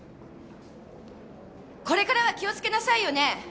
これからは気をつけなさいよね！